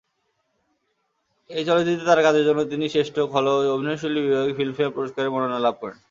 এই চলচ্চিত্রে তার কাজের জন্য তিনি শ্রেষ্ঠ খল অভিনয়শিল্পী বিভাগে ফিল্মফেয়ার পুরস্কারের মনোনয়ন লাভ করেন।